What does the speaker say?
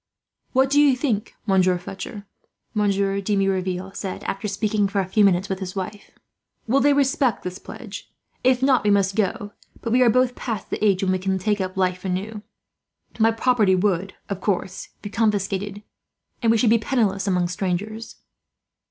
"What do you think, Monsieur Fletcher?" Monsieur de Merouville said, after speaking for a few minutes with his wife; "will they respect this pledge? If not we must go, but we are both past the age when we can take up life anew. My property would, of course, be confiscated, and we should be penniless among strangers."